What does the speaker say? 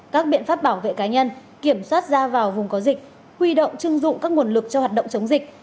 các biện pháp bảo vệ cá nhân kiểm soát ra vào vùng có dịch huy động chưng dụng các nguồn lực cho hoạt động chống dịch